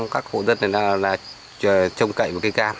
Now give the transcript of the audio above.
một trăm linh các hộ dân là trồng cậy một cây cam